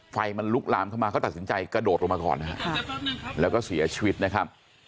ไฟมันลุกลามเข้ามาเขาตัดสินใจกระโดดลงมาก่อนนะฮะแล้วก็เสียชีวิตนะครับ